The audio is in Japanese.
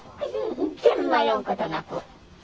全然迷うことなく。